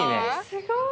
すごい！